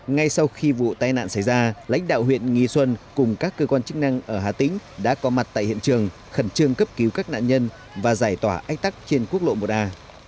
ngay sau khi vụ tai nạn xảy ra lãnh đạo huyện nghi xuân cùng các cơ quan chức năng ở hà tĩnh đã có mặt tại hiện trường khẩn trương cấp cứu các nạn nhân và giải tỏa ách tắc trên quốc lộ một a